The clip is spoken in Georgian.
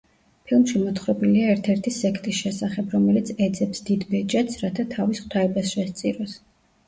ფილმში მოთხრობილია ერთ-ერთი სექტის შესახებ, რომელიც ეძებს დიდ ბეჭედს, რათა თავის ღვთაებას შესწიროს.